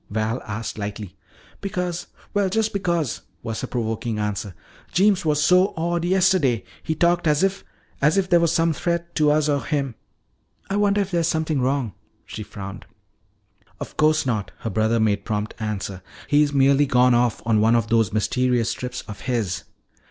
Val asked lightly. "Because well, just because," was her provoking answer. "Jeems was so odd yesterday. He talked as if as if there were some threat to us or him. I wonder if there is something wrong." She frowned. "Of course not!" her brother made prompt answer. "He's merely gone off on one of those mysterious trips of his."